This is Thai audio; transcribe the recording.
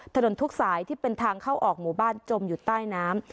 ทุกสายที่เป็นทางเข้าออกหมู่บ้านจมอยู่ใต้น้ำ